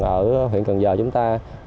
ở huyện cần giờ chúng ta